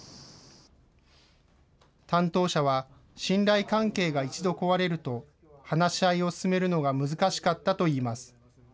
担当者は、信頼関係が一度壊れると、話し合いを進めるのが難しかったといいます。